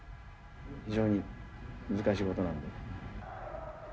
非常に難しいことなんで。